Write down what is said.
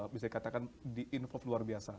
bisa dikatakan di involve luar biasa